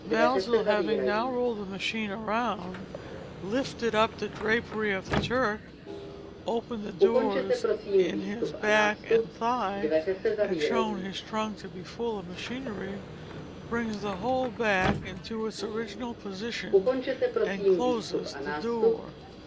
Maelzel, having now rolled the machine around, lifted up the drapery of the Turk, opened the doors in his back and thigh, and shown his trunk to be full of machinery, brings the whole back into its original position, and closes the doors.